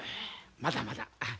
まだまだ。